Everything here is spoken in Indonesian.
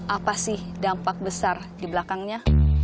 apa sih dampak besar di belakangnya